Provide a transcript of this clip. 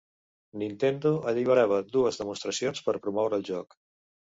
Nintendo alliberava dues demostracions per promoure el joc.